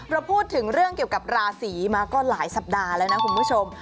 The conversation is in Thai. เราพูดถึงเรื่องเกี่ยวกับราศีมาก็หลายสัปดาห์แล้วนะคุณผู้ชม